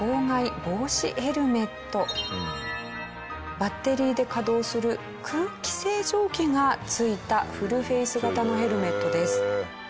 バッテリーで稼働する空気清浄機が付いたフルフェース形のヘルメットです。